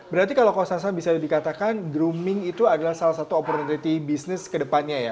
berarti kalau kosan bisa dikatakan drooming itu adalah salah satu opportunity bisnis ke depannya ya